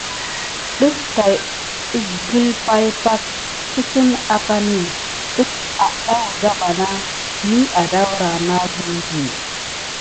Delva tät kisgəl pay pak kinze akani def adà wuza bà mi adara nasum di.